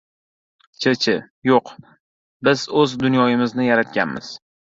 ChCh: Yo‘q, biz o‘z dunyomizni yaratganmiz.